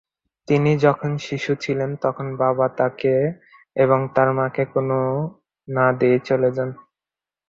তিনি যখন শিশু ছিলেন তখন বাবা তাকে এবং তার মাকে কোনো না দিয়েই চলে যান।